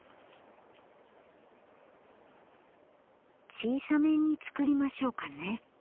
小さめにつくりましょうかね。